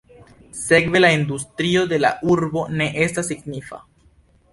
Sekve la industrio de la urbo ne estas signifa.